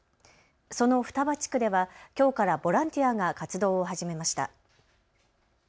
その双葉地区ではきょうからボランティアが活動を始めました。